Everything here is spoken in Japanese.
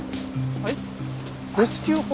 はい。